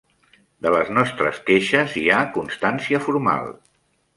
De les nostres queixes hi ha constància formal.